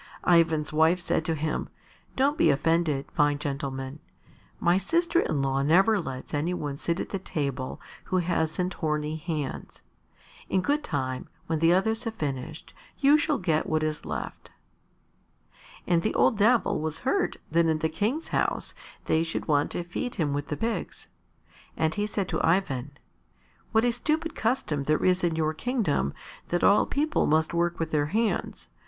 Ivan's wife said to him, "Don't be offended, fine gentleman. My sister in law never lets any one sit at the table who hasn't horny hands. In good time, when the others have finished, you shall get what is left." And the old Devil was hurt that in the King's house they should want to feed him with the pigs. And he said to Ivan, "What a stupid custom there is in your kingdom that all people must work with their hands!